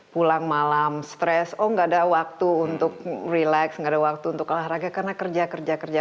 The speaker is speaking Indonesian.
pulang malam stres oh enggak ada waktu untuk relax nggak ada waktu untuk olahraga karena kerja kerja kerja